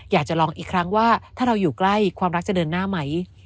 อยากจะลองอีกครั้งว่าถ้าเราอยู่ใกล้ความรักจะเดินหน้าไหม